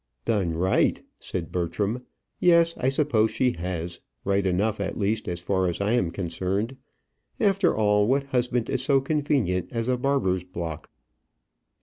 "Done right!" said Bertram; "yes, I suppose she has; right enough at least as far as I am concerned. After all, what husband is so convenient as a barber's block?"